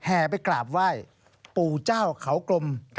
ไปกราบไหว้ปู่เจ้าเขากลม